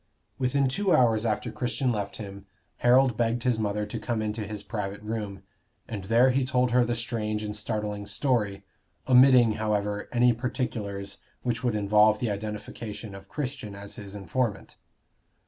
Within two hours after Christian left him, Harold begged his mother to come into his private room, and there he told her the strange and startling story, omitting, however, any particulars which would involve the identification of Christian as his informant.